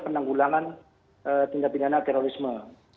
penanggulangan tingkat pinjaman terorisme